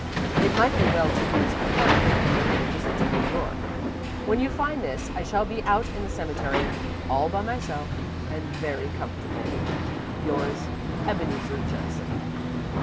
It might be well to use a part of it in making a visit to New York. When you find this, I shall be out in the cemetery all by myself, and very comfortable. "Yours, Ebeneezer Judson."